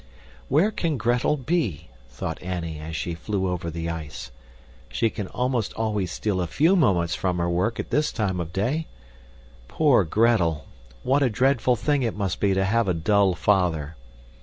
Where can Gretel be? thought Annie as she flew over the ice; she can almost always steal a few moments from her work at this time of day. Poor Gretel! What a dreadful thing it must be to have a dull father!